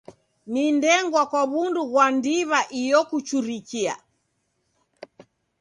Ni ndengwa kwa w'undu ghwa ndiw'a iyo kuchurikia.